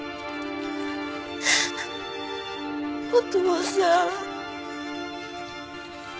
お父さん。